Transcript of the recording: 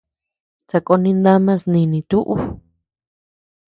Sakón nindamas nini tuu.